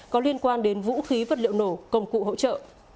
có liên quan đến vũ khí vật liệu nổ công cụ hỗ trợ